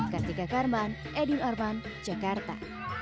kartika karman edwin arman jakarta